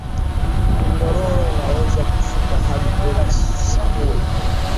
mnyororo unaweza kushuka hadi kwenye sifuri